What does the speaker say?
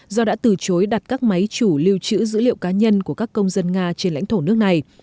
do đã từ chối đặt các máy chủ lưu trữ dữ liệu cá nhân của các công dân nga trên lãnh thổ nước này